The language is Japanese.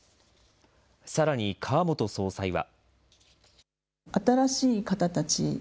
さらに川本総裁は。